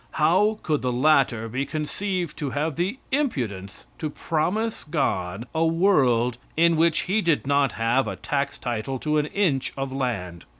How could the latter be conceived to have the impudence to promise God a world in which he did not have a tax title to an inch of land?